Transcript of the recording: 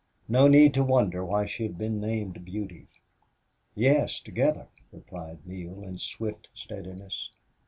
No need to wonder why she had been named Beauty. "Yes, together," replied Neale, in swift steadiness.